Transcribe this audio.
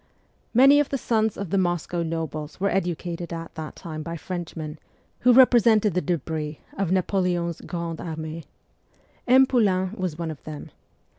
Many of the sons of the Moscow nobles were educated at that time by Frenchmen, who represented the debris of Napoleon's Grande Arrnee. M. Poulain was one of them.